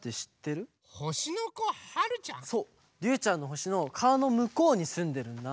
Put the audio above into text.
りゅうちゃんのほしのかわのむこうにすんでるんだ。